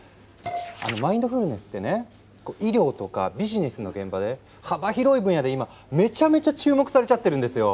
あのマインドフルネスってね医療とかビジネスの現場で幅広い分野で今めちゃめちゃ注目されちゃってるんですよ。